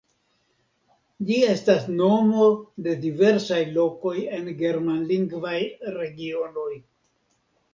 Ĝi estas nomo de diversaj lokoj en germanlingvaj regionoj.